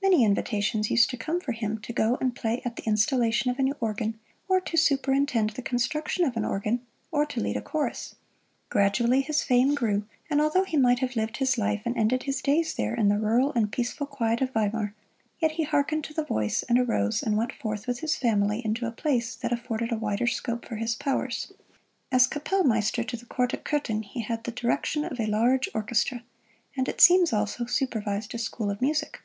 Many invitations used to come for him to go and play at the installation of a new organ, or to superintend the construction of an organ, or to lead a chorus. Gradually his fame grew, and although he might have lived his life and ended his days there in the rural and peaceful quiet of Weimar, yet he harkened to the voice and arose and went forth with his family into a place that afforded a wider scope for his powers. As Kapellmeister to the Court at Kothen he had the direction of a large orchestra, and it seems also supervised a school of music.